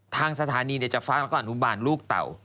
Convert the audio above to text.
ทางสถานีจะฟ้องแล้วก็อนุบาลลูกเต่า